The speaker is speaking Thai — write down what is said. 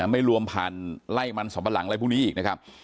ไม่รวมผ่านไล่มันสัมปะหลังอะไรพวกนี้อีกนะครับ